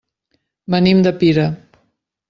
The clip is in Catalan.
Venim de Pira.